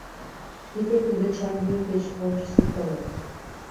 Тиде — кӱдырчан йӱр деч ончычсо тымык...